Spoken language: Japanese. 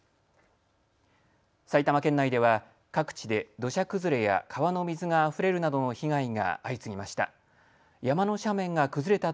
埼玉県内では各地で土砂崩れや川の水があふれるなどの被害が相次ぎました。